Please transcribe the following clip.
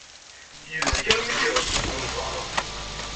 Yebzeg armi d iɣes seg unẓar.